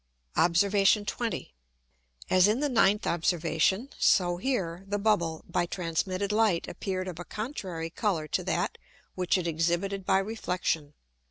Obs. 20. As in the ninth Observation, so here, the Bubble, by transmitted Light, appear'd of a contrary Colour to that, which it exhibited by Reflexion.